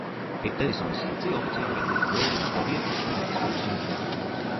Keipdenisonas stacija oficiāli ir atzīta par vējaināko vietu uz planētas jūras līmenī.